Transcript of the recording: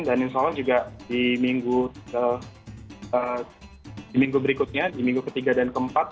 dan insya allah juga di minggu berikutnya di minggu ketiga dan keempat